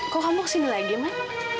kok kamu kesini lagi man